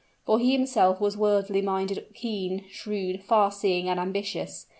For he himself was worldly minded, keen, shrewd, far seeing, and ambitious.